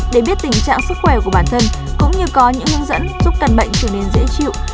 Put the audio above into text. để biết tình trạng sức khỏe của bản thân cũng như có những hướng dẫn giúp căn bệnh trở nên dễ chịu